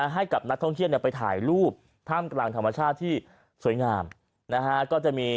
ให้กับนักท่องเที่ยวไปถ่ายรูปท่ามกลางธรรมชาติที่สวยงามนะฮะ